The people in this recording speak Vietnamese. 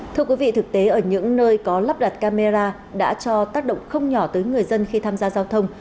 thưa quý vị thực tế ở những nơi có lắp đặt camera đã cho tác động không nhỏ tới người dân khi tham gia giao thông